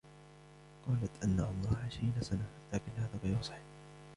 قالت أن عمرها عشرين سنة لكن هذا غير صحيح.